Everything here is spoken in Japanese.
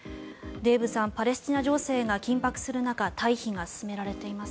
デーブさん、パレスチナ情勢が緊迫する中退避が進められています。